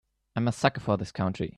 I'm a sucker for this country.